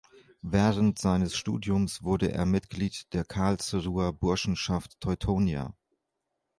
Während seines Studiums wurde er Mitglied der "Karlsruher Burschenschaft Teutonia".